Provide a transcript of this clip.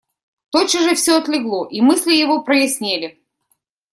Тотчас же всё отлегло, и мысли его прояснели.